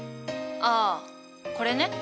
ああこれね。